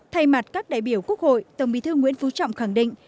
thay mặt các đại biểu quốc hội tổng bí thư nguyễn phú trọng khẳng định